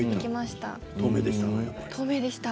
透明でしたか？